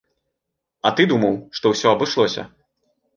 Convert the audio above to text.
А ты думаў, што ўсё абышлося.